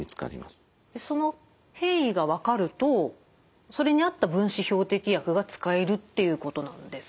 その変異が分かるとそれに合った分子標的薬が使えるっていうことなんですか？